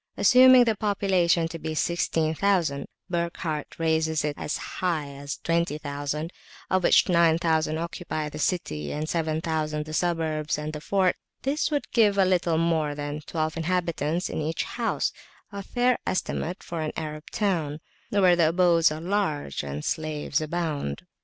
Assuming the population to be 16,000 (Burckhardt raises it as high as 20,000), of which 9000 occupy the city, and 7000 the suburbs and the fort, this would give a little more than twelve inhabitants to each house, a fair estimate for an Arab town, where the abodes are large and slaves abound.